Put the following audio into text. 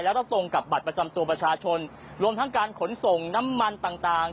แล้วต้องตรงกับบัตรประจำตัวประชาชนรวมทั้งการขนส่งน้ำมันต่างต่าง